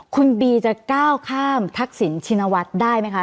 คุณบีจะก้าวข้ามทักษิณชินวัฒน์ได้ไหมคะ